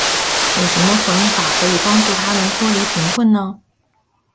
有什么方法可以帮助他们脱离贫穷呢。